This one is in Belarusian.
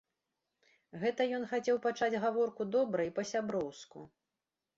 Гэта ён хацеў пачаць гаворку добра і па-сяброўску.